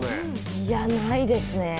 いや、ないですね。